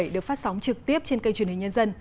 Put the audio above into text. được phát sóng trực tiếp trên kênh truyền hình nhân dân